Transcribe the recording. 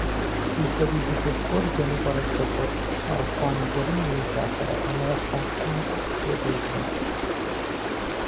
Мыпхуэдиз илъэс кӏуэр дэну пӏэрэ здэкӏуэр? Архъуанэ гуэрым ирилъафэрэ хьэмэрэ хьэршым хэкӏуэдэжрэ?